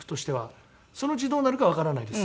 そのうちどうなるかはわからないです。